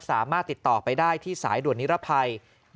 สามารถติดต่อไปได้ที่สายด่วนนิรภัย